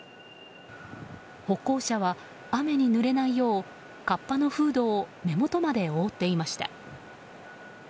歩行者は、雨にぬれないようかっぱのフードを目元まで覆っていました。